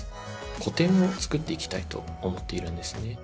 古典もつくっていきたいと思っているんですね